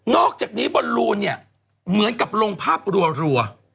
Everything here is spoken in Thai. อกจากนี้บอลลูนเนี่ยเหมือนกับลงภาพรัว